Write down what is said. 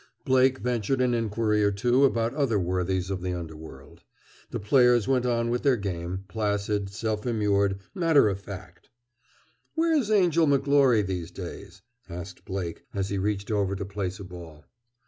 Blake ventured an inquiry or two about other worthies of the underworld. The players went on with their game, placid, self immured, matter of fact. "Where's Angel McGlory these days?" asked Blake, as he reached over to place a ball.